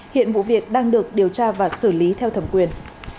hiện vụ việc đang được điều tra và xử lý theo thẩm quyền